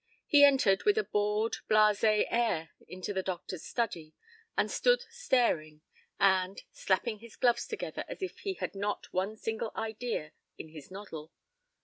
He entered with a bored, blase air into the doctor's study, and stood staring, and, slapping his gloves together as if he had not one single idea in his noddle.